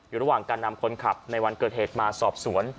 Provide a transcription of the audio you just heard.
อยู่ระหว่างการนำคนขับในวันเกิดเหตุมาสอบสวน